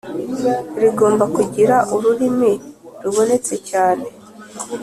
rigomba kugira urumuri rubonesha cyane